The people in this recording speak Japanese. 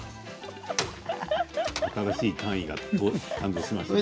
新しい単位が登場しましたね。